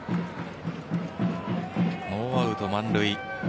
ノーアウト満塁